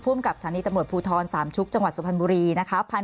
กับสถานีตำรวจภูทรสามชุกจังหวัดสุพรรณบุรีนะคะ